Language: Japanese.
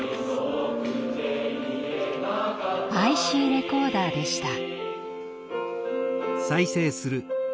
ＩＣレコーダーでした。